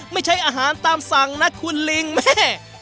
ไม่ใช่อาหารตามสั่งนะคุณลิงแม่